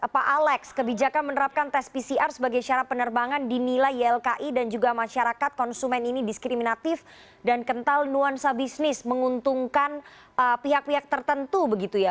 pak alex kebijakan menerapkan tes pcr sebagai syarat penerbangan dinilai ylki dan juga masyarakat konsumen ini diskriminatif dan kental nuansa bisnis menguntungkan pihak pihak tertentu begitu ya